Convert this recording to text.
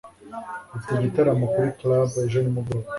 Dufite igitaramo kuri club ejo nimugoroba